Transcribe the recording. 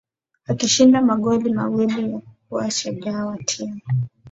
Akishinda magoli mawili na kuwa shujaa wa timu